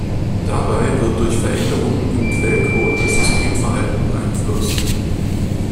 Dabei wird durch Veränderungen im Quellcode das Systemverhalten beeinflusst.